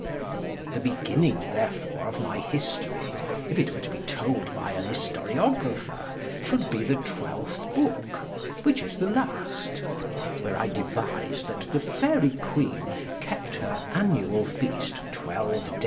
The beginning therefore of my history, if it were to be told by an historiographer, should be the twelfth booke, which is the last; where I devise that the Faery Queene kept her annuall feaste xii.